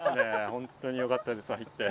本当によかったです、入って。